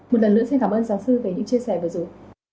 một lần nữa xin cảm ơn giáo sư về những chia sẻ vừa rồi